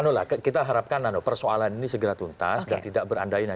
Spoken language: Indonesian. nah kita harapkan persoalan ini segera tuntas dan tidak berandainya